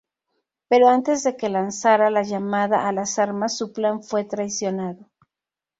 Pero antes de que lanzara la llamada a las armas su plan fue traicionado.